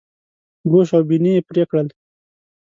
ګوش او بیني یې پرې کړل.